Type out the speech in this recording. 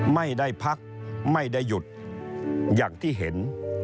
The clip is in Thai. ไม่ได้พักไม่ได้หยุดอย่างที่เห็น